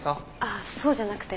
あそうじゃなくて。